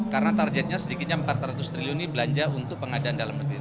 karena targetnya sedikitnya empat ratus triliun ini belanja untuk pengadaan dalam negeri